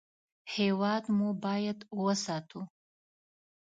هېواد مو باید وساتو